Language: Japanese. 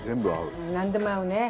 なんでも合うね。